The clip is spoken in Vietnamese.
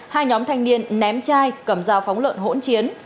hai nhóm thanh niên ném chai cầm dao phóng lợn hỗn chiến